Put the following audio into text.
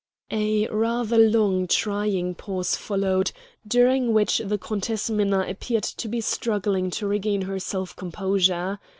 A rather long, trying pause followed, during which the Countess Minna appeared to be struggling to regain her self composure.